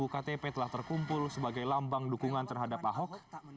tujuh ratus enam puluh ktp telah terkumpul sebagai lambang dukungan terhadap ahok